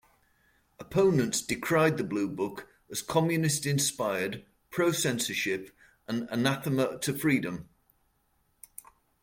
Opponents decried the Blue Book as Communist-inspired, pro-censorship, and anathema to freedom.